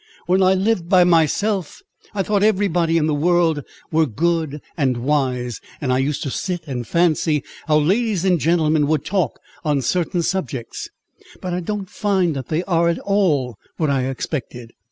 When I lived by myself, I thought every body in the world were good and wise; and I used to sit and fancy how ladies and gentlemen would talk on certain subjects; but I don't find that they are at all what I expected.